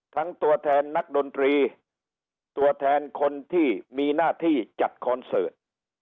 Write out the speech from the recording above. ตัวแทนนักดนตรีตัวแทนคนที่มีหน้าที่จัดคอนเสิร์ต